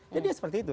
jadi ya seperti itu